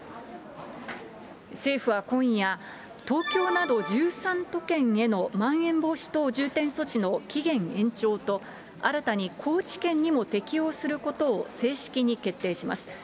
政府は今夜、東京など１３都県へのまん延防止等重点措置の期限延長と、新たに高知県にも適用することを正式に決定します。